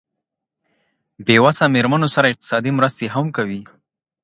بې وسه مېرمنو سره اقتصادي مرستې هم کوي.